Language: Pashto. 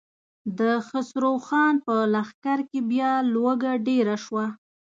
د خسرو خان په لښکر کې بيا لوږه ډېره شوه.